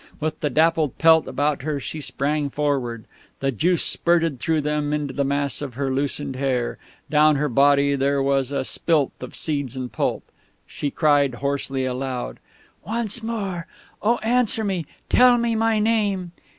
With the dappled pelt about her she sprang forward. The juice spurted through them into the mass of her loosened hair. Down her body there was a spilth of seeds and pulp. She cried hoarsely aloud. "Once more oh, answer me! Tell me my name!"